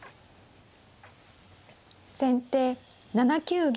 先手７九玉。